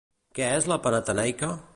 Què és la Panatenaica?